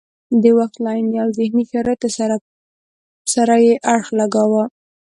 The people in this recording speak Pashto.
د وخت له عیني او ذهني شرایطو سره یې اړخ لګاوه.